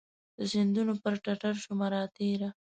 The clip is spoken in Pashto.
د سیندونو پر ټټرشومه راتیره